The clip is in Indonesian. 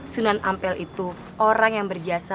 sunan ampel itu orang yang berjasa